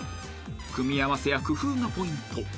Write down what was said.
［組み合わせや工夫がポイント］